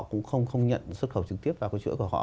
cũng không nhận xuất khẩu trực tiếp vào cái chuỗi của họ